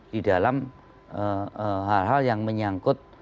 di dalam hal hal yang menyangkut